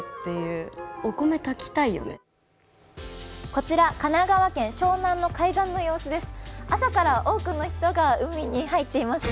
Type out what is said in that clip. こちら、神奈川県湘南の海岸です。